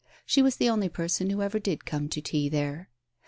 She was the only person who ever did come to tea there.